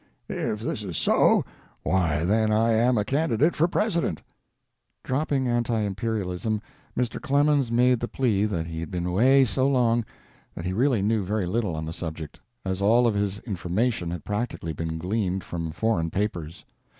If this is so, why, then I am a candidate for President." Dropping anti imperialism, Mr. Clemens made the plea that he had been away so long that he really knew very little on the subject, as all of his information had practically been gleaned from foreign papers.